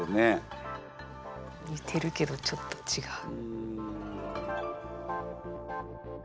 似てるけどちょっと違う。